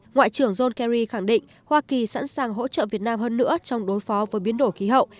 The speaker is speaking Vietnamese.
ngoại trưởng john kerry khẳng định hoa kỳ sẵn sàng hỗ trợ việt nam hơn nữa trong đối phó với biến đổi khí hậu